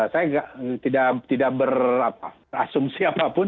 saya tidak berasumsi apapun